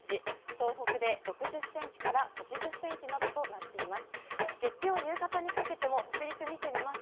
東北で６０ｃｍから８０ｃｍなどとなっています。